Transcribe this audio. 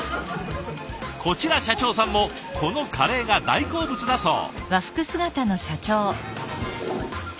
こちら社長さんもこのカレーが大好物だそう。